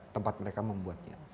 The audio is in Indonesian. tempat mereka membuatnya